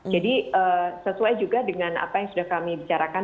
sesuai juga dengan apa yang sudah kami bicarakan